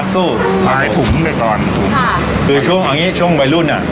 สู้ถ่ายถุงด้วยก่อนค่ะคือช่วงอันนี้ช่วงวัยรุ่นอ่ะ